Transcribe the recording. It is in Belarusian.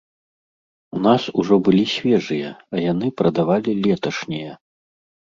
У нас ужо былі свежыя, а яны прадавалі леташнія.